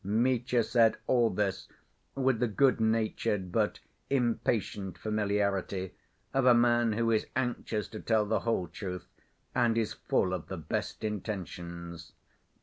Mitya said all this with the good‐natured but impatient familiarity of a man who is anxious to tell the whole truth and is full of the best intentions.